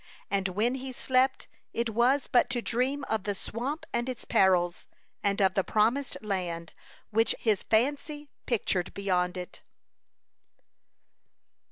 And when he slept it was but to dream of the swamp and its perils, and of the promised land which his fancy pictured beyond it.